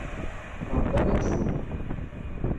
Ṛebban aksum.